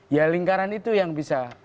ya lingkaran itu yang bisa